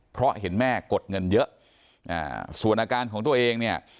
เพราะเห็นแม่กดเงินเยอะส่วนอาการของตัวเองเนี่ย